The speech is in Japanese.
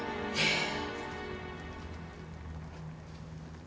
ええ。